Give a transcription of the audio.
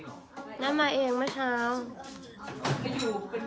พี่นัทเอาสาระเป๋ามาด้วยกันเนี่ย